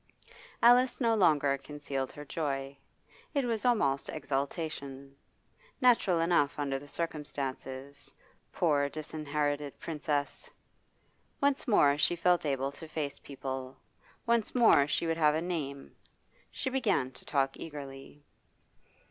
Alice no longer concealed her joy. It was almost exultation. Natural enough under the circumstances, poor, disinherited Princess! Once more she felt able to face people; once more she would have a name. She began to talk eagerly.